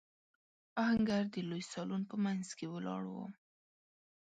آهنګر د لوی سالون په مينځ کې ولاړ و.